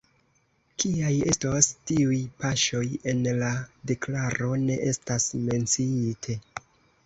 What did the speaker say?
Kiaj estos tiuj paŝoj, en la deklaro ne estas menciite.